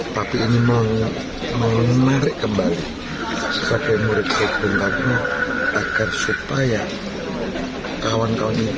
tapi ini menarik kembali sebagai murid dari bung karno agar supaya kawan kawan ini sama guru